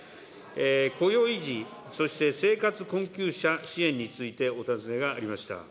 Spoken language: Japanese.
雇用維持、そして生活困窮者支援についてお尋ねがありました。